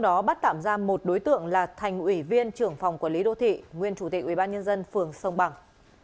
một đối tượng là thành ủy viên trưởng phòng quản lý đô thị nguyên chủ tịch ubnd phường sông bằng